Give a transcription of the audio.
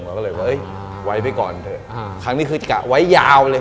แล้วเลยว่าวึ๊คว่าไว้ไปก่อนครั้งนี้คือไว้ได้ยาวเลย